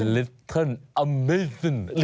ฮิตเทินอัมเมศน